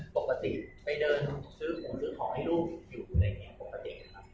ปกปะติไปเดินซื้อของให้ลูกอยู่อะไรเนี่ยปกปะติ